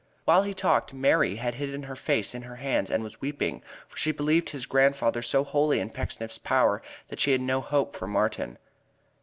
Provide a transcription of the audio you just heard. While he talked, Mary had hidden her face in her hands and was weeping, for she believed his grandfather so wholly in Pecksniff's power that she had no hope for Martin.